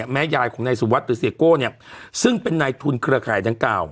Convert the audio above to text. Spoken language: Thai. แม้ยายคุณนายสุวรรษหรือเซียโก่ซึ่งเป็นนายทุนเเขือข่ายทั้ง๙